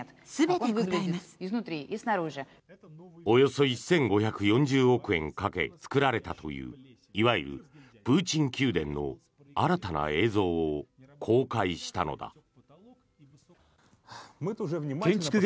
およそ１５４０億円かけ作られたといういわゆるプーチン宮殿の新たな映像を公開したのだ。